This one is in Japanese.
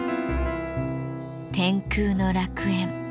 天空の楽園。